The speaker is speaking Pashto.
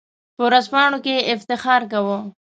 په ورځپاڼو کې یې افتخار کاوه.